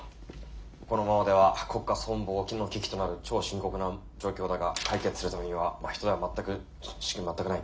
このままでは国家存亡きの危機となる超深刻な状況だが解決するためには人や全く全くない。